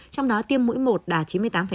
trong đó tiêm mũi một đạt chín mươi tám